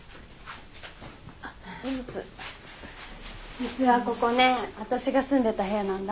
実はここね私が住んでた部屋なんだ。